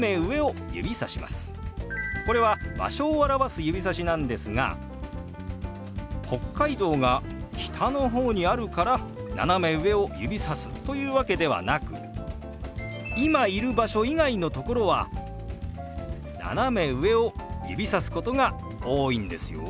これは場所を表す指さしなんですが北海道が北の方にあるから斜め上を指さすというわけではなく今いる場所以外の所は斜め上を指すことが多いんですよ。